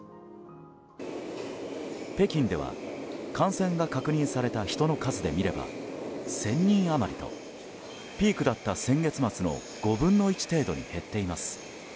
北京では感染が確認された人の数で見れば１０００人余りとピークだった先月末の５分の１程度に減っています。